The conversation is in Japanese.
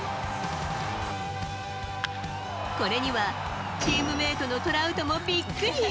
これには、チームメートのトラウトもびっくり。